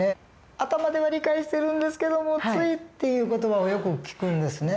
頭では理解してるんですけどもついっていう言葉をよく聞くんですね。